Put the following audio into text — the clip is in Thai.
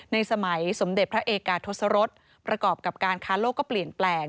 ในสมัยสมเด็จพระเอกาทศรษประกอบกับการค้าโลกก็เปลี่ยนแปลง